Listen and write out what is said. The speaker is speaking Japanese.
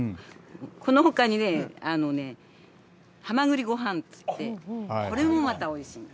このほかにね、はまぐりごはんっていって、これもまたおいしいの。